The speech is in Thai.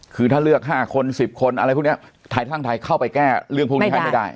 คือถ้าเลือก๕คน๑๐คนอะไรพวกนี้ไทยสร้างไทยเข้าไปแก้เรื่องพวกนี้ให้ไม่ได้